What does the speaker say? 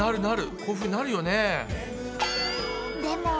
こういうふうになるよね。